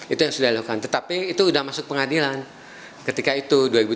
itu yang sudah dilakukan tetapi itu sudah masuk pengadilan ketika itu dua ribu tujuh belas